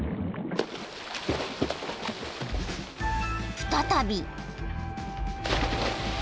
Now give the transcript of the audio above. ［再び］